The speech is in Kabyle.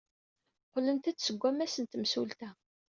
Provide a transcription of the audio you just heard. Qqlent-d seg wammas n temsulta.